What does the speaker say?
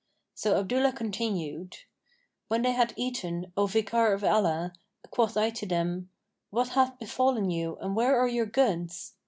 So Abdullah continued "When they had eaten, O Vicar of Allah, quoth I to them, 'What hath befallen you and where are your goods?'